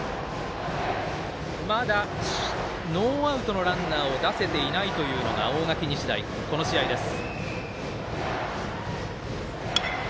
まだ、ノーアウトのランナーを出せていないというのが大垣日大、この試合です。